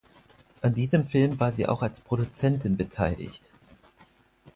An diesem Film war sie auch als Produzentin beteiligt.